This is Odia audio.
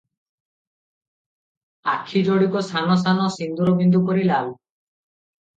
ଆଖି ଯୋଡ଼ିକ ସାନ ସାନ ସିନ୍ଦୂର ବିନ୍ଦୁ ପରି ଲାଲ ।